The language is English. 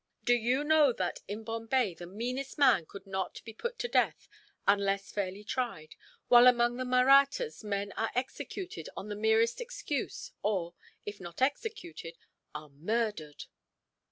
Do you know that, in Bombay, the meanest man could not be put to death, unless fairly tried; while among the Mahrattas men are executed on the merest excuse or, if not executed, are murdered?"